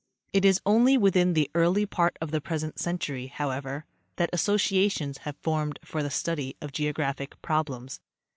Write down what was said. It is only within the early part of the present century, how ever, that associations have formed for the study of geographic problems.